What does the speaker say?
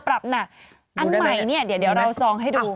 อันใหม่เดี๋ยวเราซองให้ดู